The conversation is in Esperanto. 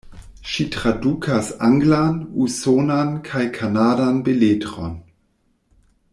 Ŝi tradukas anglan, usonan kaj kanadan beletron.